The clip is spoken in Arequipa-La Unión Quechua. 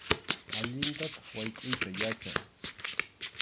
Allintataq waykʼuyta yachan.